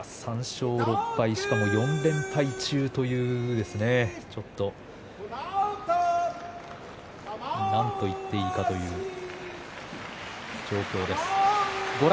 ３勝６敗しかも４連敗中ということで何と言っていいかという状況です。